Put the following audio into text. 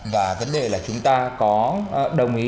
và vấn đề là chúng ta có đồng ý